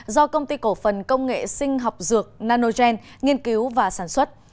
do công ty cổ phần công nghệ sinh học dược nanogen nghiên cứu và sản xuất